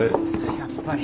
やっぱり。